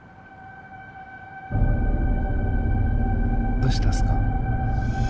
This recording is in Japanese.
どうしたんすか？